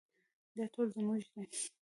دا ټول زموږ دي